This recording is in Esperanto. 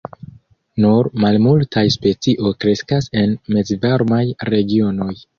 Nur malmultaj specio kreskas en mezvarmaj regionoj.